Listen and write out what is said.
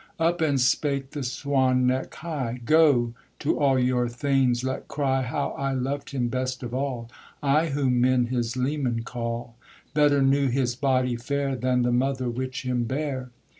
Up and spake the Swan neck high, 'Go! to all your thanes let cry How I loved him best of all, I whom men his leman call; Better knew his body fair Than the mother which him bare.